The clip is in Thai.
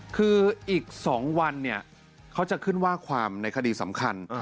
คืออีก๒วันเนี่ยเขาจะขึ้นว่าความในคดีสำคัญ